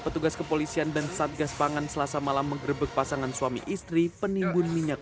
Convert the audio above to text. petugas kepolisian dan satgas pangan selasa malam menggerebek pasangan suami istri penimbun minyak